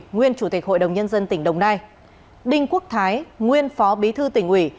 nguyên chủ tịch hội đồng nhân dân tỉnh đồng nai đinh quốc thái nguyên phó bí thư tỉnh ủy